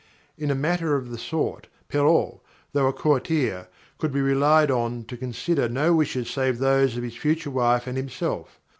In a matter of the sort Perrault, though a courtier, could be relied on to consider no wishes save those of his future wife and himself.